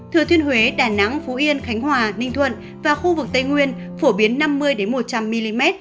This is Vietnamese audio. thừa thiên huế đà nẵng phú yên khánh hòa ninh thuận và khu vực tây nguyên phổ biến năm mươi một trăm linh mm